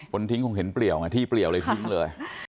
ทิ้งคงเห็นเปลี่ยวไงที่เปลี่ยวเลยทิ้งเลย